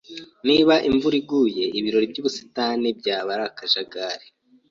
Niba imvura iguye, ibirori byubusitani byaba ari akajagari.